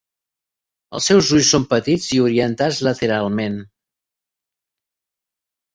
Els seus ulls són petits i orientats lateralment.